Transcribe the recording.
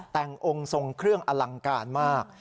แต่งองค์ทรงเครื่องอลังการมาก